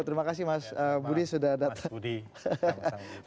terima kasih mas budi sudah datang